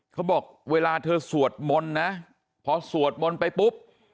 เขาบอกเวลาเธอสวดมนต์นะพอสวดมนต์ไปปุ๊บ